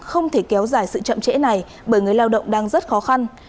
không thể kéo dài sự chậm trễ này bởi người lao động đang rất khó khăn